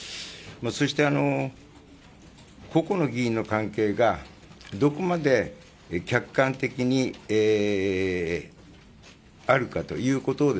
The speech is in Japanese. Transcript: そして、個々の議員の関係がどこまで客観的にあるかということを